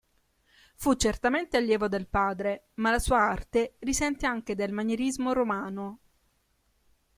Fu certamente allievo del padre, ma la sua arte risente anche del Manierismo romano.